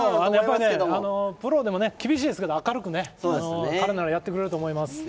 プロ厳しいですけど、明るくね彼ならやってくれると思います。